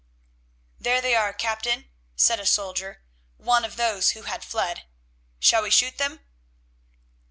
"There they are, captain," said a soldier, one of those who had fled; "shall we shoot them?"